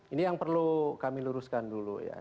ini yang perlu kami luruskan dulu ya